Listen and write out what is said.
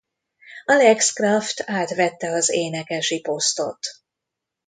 Alex Kraft átvette az énekesi posztot.